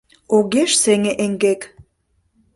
Огеш сеҥе эҥгек